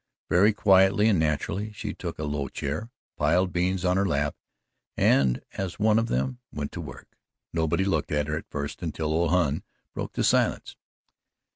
Very quietly and naturally she took a low chair, piled beans in her lap and, as one of them, went to work. Nobody looked at her at first until old Hon broke the silence.